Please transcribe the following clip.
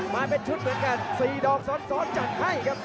มาเป็นชุดเหมือนกัน๔ดอกซ้อนจัดให้ครับ